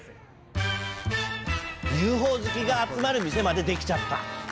ＵＦＯ好きが集まる店まで出来ちゃった。